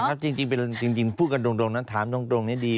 ไม่นะครับจริงพูดกันตรงนะถามตรงนี่ดี